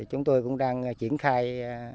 chúng tôi cũng đang triển khai